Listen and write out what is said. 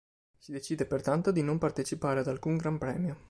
Si decide, pertanto, di non partecipare ad alcun Gran Premio.